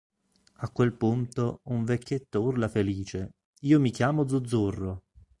A quel punto un vecchietto urla felice: "Io mi chiamo Zuzzurro!".